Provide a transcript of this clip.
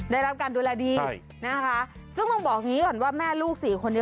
ได้รับการดูแลดีนะคะซึ่งต้องบอกอย่างนี้ก่อนว่าแม่ลูกสี่คนนี้